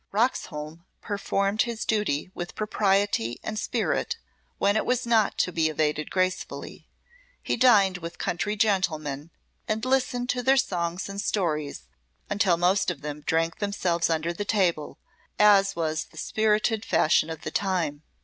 Roxholm performed his duty with propriety and spirit when it was not to be evaded gracefully. He dined with country gentlemen, and listened to their songs and stories until most of them drank themselves under the table, as was the spirited fashion of the time.